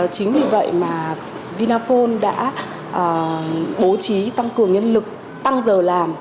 chính vì vậy mà vinaphone đã bố trí tăng cường nhân lực tăng giờ làm